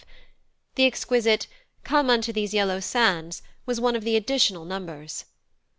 The exquisite "Come unto these yellow sands" was one of the additional numbers.